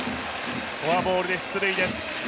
フォアボールで出塁です。